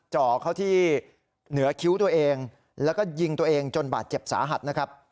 จ่อเข้าที่เหนือคิ้วตัวเองแล้วก็ยิงตัวเองจนบาดเจ็บสาหัสนะครับ